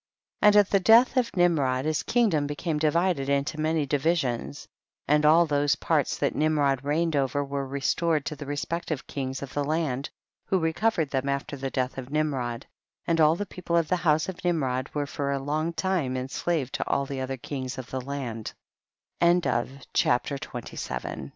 And at the death of Nimrod his kingdom became divided into many divisions, and all those parts that Nimrod reigned over were re stored to the respective kings of the land, who recovered them after the death of Nimrod, and all the people of the house of Nimrod were for a long time ens